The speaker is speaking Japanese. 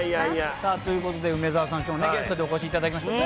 さあ、ということで梅沢さん、きょう、ゲストでお越しいただきましてね。